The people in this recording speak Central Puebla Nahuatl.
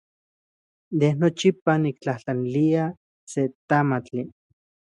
Ne nochipa niktlajtlanilia seki tamali.